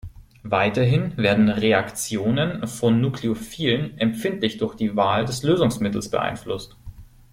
Weiterhin werden Reaktionen von Nukleophilen empfindlich durch die Wahl des Lösungsmittels beeinflusst.